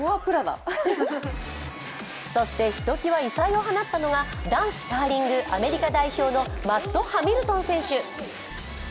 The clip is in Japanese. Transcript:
そして、ひときわ異彩を放ったのが男子カーリングアメリカ代表のマット・ハミルトン選手。